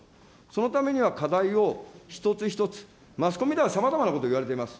そのためには、課題を一つ一つマスコミではさまざまなことをいわれています。